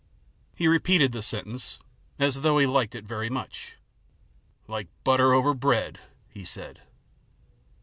He repeated this sentence as though he liked it very much. " Like butter over bread," he said.